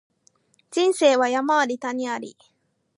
人生は山あり谷あり